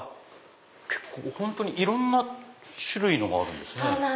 本当にいろんな種類のがあるんですね。